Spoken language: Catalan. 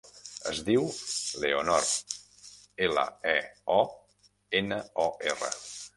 Es diu Leonor: ela, e, o, ena, o, erra.